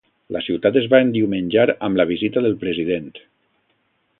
La ciutat es va endiumenjar amb la visita del president.